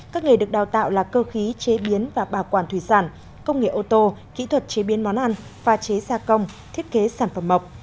các nghề được đào tạo là cơ khí chế biến và bảo quản thủy sản công nghệ ô tô kỹ thuật chế biến món ăn pha chế gia công thiết kế sản phẩm mộc